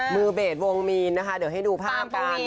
เบสวงมีนนะคะเดี๋ยวให้ดูภาพกัน